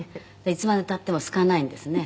「いつまで経ってもすかないんですね